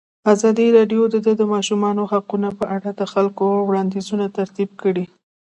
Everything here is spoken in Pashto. ازادي راډیو د د ماشومانو حقونه په اړه د خلکو وړاندیزونه ترتیب کړي.